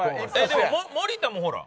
でも森田もほら。